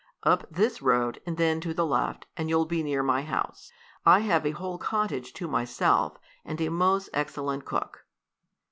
"Up this road, and then to the left, and you'll be near my house. I have a whole cottage to myself, and a most excellent cook."